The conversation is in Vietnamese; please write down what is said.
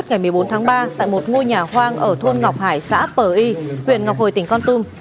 ngày một mươi bốn tháng ba tại một ngôi nhà hoang ở thôn ngọc hải xã pờ y huyện ngọc hồi tỉnh con tum